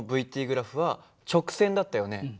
ｔグラフは直線だったよね。